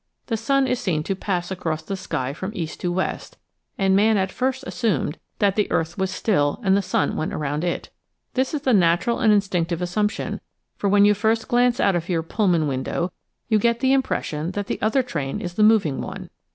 The sun is seen to pass across the sky from east to west and man at first assumed that the earth was still and the sun went around it. This is the natural and instinctive assump tion, for when you first glance out of your Pullman window you get the impression that the other train is the moving one.